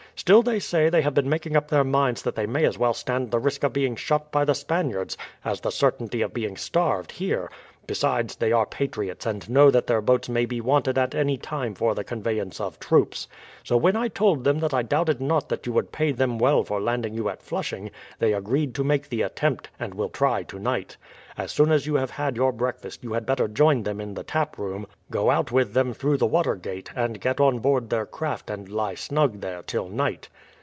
Still they say they have been making up their minds that they may as well stand the risk of being shot by the Spaniards as the certainty of being starved here; besides they are patriots, and know that their boats may be wanted at any time for the conveyance of troops. So when I told them that I doubted not that you would pay them well for landing you at Flushing, they agreed to make the attempt, and will try tonight. As soon as you have had your breakfast you had better join them in the tap room, go out with them through the watergate, and get on board their craft and lie snug there till night."